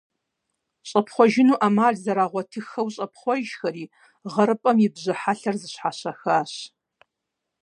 ЩӀэпхъуэжыну Ӏэмал зэрагъуэтыххэу, щӀэпхъуэжхэри, гъэрыпӀэм и бжьы хьэлъэр зыщхьэщахащ.